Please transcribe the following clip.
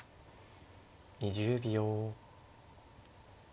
２０秒。